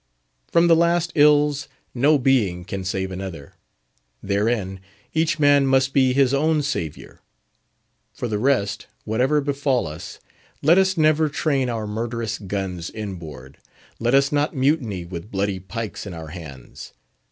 From the last ills no being can save another; therein each man must be his own saviour. For the rest, whatever befall us, let us never train our murderous guns inboard; let us not mutiny with bloody pikes in our hands.